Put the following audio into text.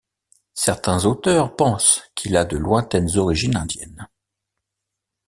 Certains auteurs pensent qu'il a de lointaines origines indiennes.